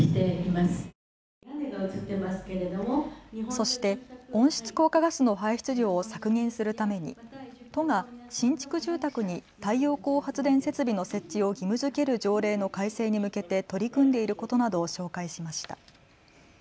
そして温室効果ガスの排出量を削減するために都が新築住宅に太陽光発電設備の設置を義務づける条例の改正に向けて取り組んでいることなどを紹介しました。